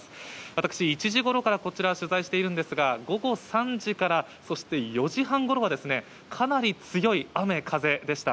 私、１時ごろからこちら取材しているんですが、午後３時から、そして４時半ごろはかなり強い雨風でした。